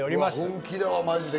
本気だわ、マジで。